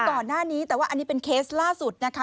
ก่อนหน้านี้แต่ว่าอันนี้เป็นเคสล่าสุดนะคะ